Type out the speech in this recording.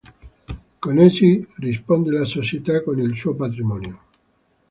Con essi risponde la società con il suo patrimonio.